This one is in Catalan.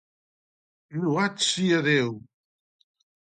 Lloat sia Déu!